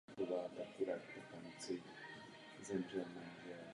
Po další návštěvě na žádost Paní dochází na místo i v následujících dnech.